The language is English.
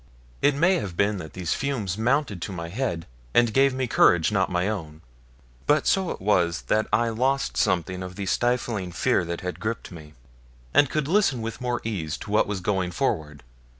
It may have been that these fumes mounted to my head, and gave me courage not my own, but so it was that I lost something of the stifling fear that had gripped me, and could listen with more ease to what was going forward.